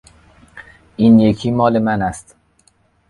این یکی مال من است.